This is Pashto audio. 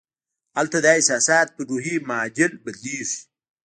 هلته دا احساسات پر روحي معادل بدلېږي